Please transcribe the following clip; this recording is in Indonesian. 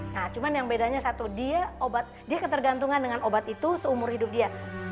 nah cuma yang bedanya satu dia ketergantungan dengan obat itu seumur hidup dia